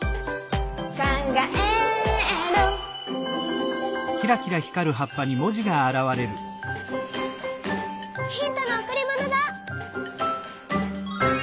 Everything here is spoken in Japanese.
「かんがえる」ヒントのおくりものだ！